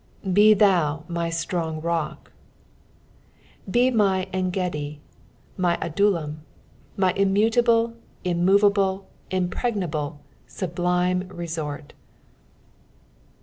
" Be thou my atrong Tock," Be my Eogedi, my Adullam; my immutable, imniovablo, impregnable, aublimo, resort.